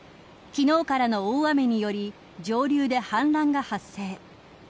昨日からの大雨により上流で氾濫が発生。